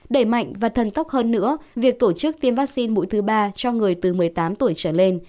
đẩy mạnh và thần tốc hơn nữa việc tổ chức tiêm vaccine mũi thứ ba cho người từ một mươi tám tuổi trở lên